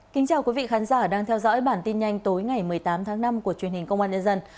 kính chào quý vị khán giả đang theo dõi bản tin nhanh tối ngày một mươi tám tháng năm của truyền hình công an nhân dân